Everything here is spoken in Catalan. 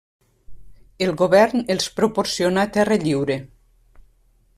El govern els proporcionà terra lliure.